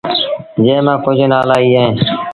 جݩهݩ مآݩ ڪجھ نآلآ اي اهيݩ